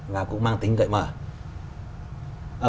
và cũng mang tính gợi mở